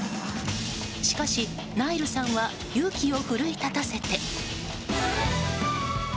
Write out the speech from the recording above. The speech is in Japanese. しかし、ナイルさんは勇気を奮い立たせて。